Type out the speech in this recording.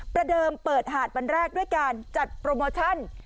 ประเดิมเปิดหาดวันแรกด้วยการจัดโปรโมชั่น